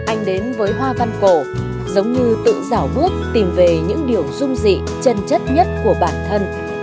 anh đến với hoa văn cổ giống như tự rào bước tìm về những điều rung dị chân chất nhất của bản thân